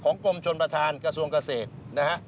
ของกรมชนประธานกระทรวงเกษตรนะครับ